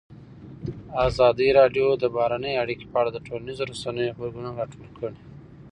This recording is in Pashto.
ازادي راډیو د بهرنۍ اړیکې په اړه د ټولنیزو رسنیو غبرګونونه راټول کړي.